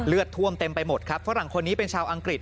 ท่วมเต็มไปหมดครับฝรั่งคนนี้เป็นชาวอังกฤษ